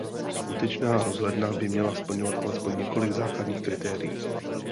Skutečná rozhledna by měla splňovat alespoň několik základních kritérií.